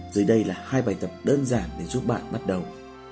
dưới đây là hai bài tập đơn giản để giúp bạn bắt đầu